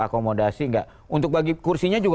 akomodasi enggak untuk bagi kursinya juga